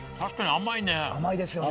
甘いですよね